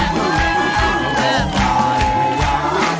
คุณดาว